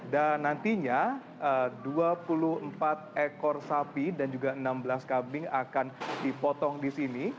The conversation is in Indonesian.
dan nantinya dua puluh empat ekor sapi dan juga enam belas kambing akan dipotong di sini